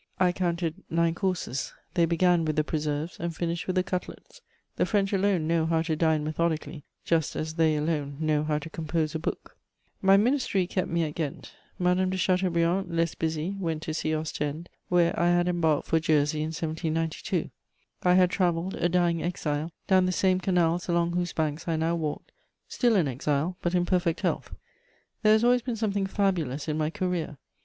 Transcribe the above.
I counted nine courses: they began with the preserves and finished with the cutlets. The French alone know how to dine methodically, just as they alone know how to compose a book. [Sidenote: Diversions at Ghent.] My "ministry" kept me at Ghent; Madame de Chateaubriand, less busy, went to see Ostend, where I had embarked for Jersey in 1792. I had travelled, a dying exile, down the same canals along whose banks I now walked, still an exile, but in perfect health: there has always been something fabulous in my career!